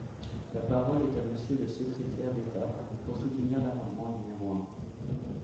La parole est à Monsieur le secrétaire d’État, pour soutenir l’amendement numéro un.